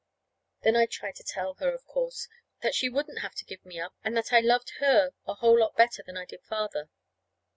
Then I tried to tell her, of course, that she wouldn't have to give me up, and that I loved her a whole lot better than I did Father.